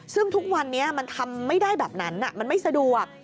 ซึ่งทุกวันนี้มันทำไม่ได้แบบนั้นมันไม่สะดวก